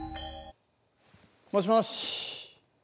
もしもし。